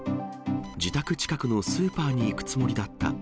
自宅近くのスーパーに行くつもりだった。